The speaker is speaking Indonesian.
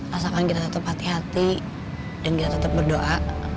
rasakan kita tetap hati hati dan kita tetap berdoa